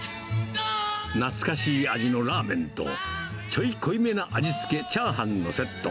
懐かしい味のラーメンと、ちょい濃いめな味付け炒飯のセット。